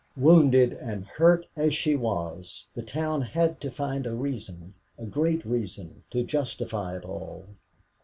Wounded and hurt as she was, the town had to find a reason, a great reason, to justify it all.